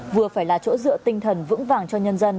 vừa phải là chỗ dựa tinh thần vững vàng cho nhân dân